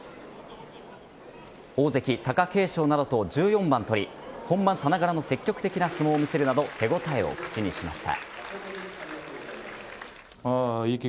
大関・貴景勝などと１４番取り本番さながらの積極的な相撲を見せるなど手応えを口にしました。